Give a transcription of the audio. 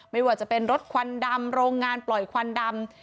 ไม่ว่าจะเป็นรถควันดำโรงงานปล่อยควันดำ